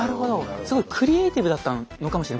すごいクリエイティブだったのかもしれませんね。